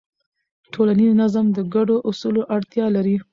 ټولنیز نظم د ګډو اصولو اړتیا لري.